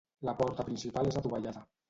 La porta principal és adovellada.